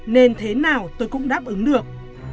nên thế nào tôi cũng đáp ứng được